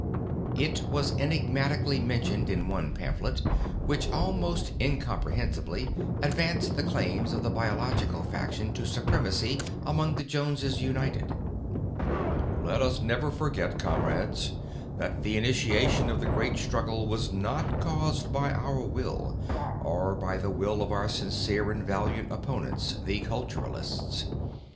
It was enigmatically mentioned in one pamphlet, which almost incomprehensibly advanced the claims of the Biological faction to supremacy among the Joneses United: "Let us never forget, comrades, that the initiation of the great struggle was not caused by our will or by the will of our sincere and valiant opponents, the Culturists.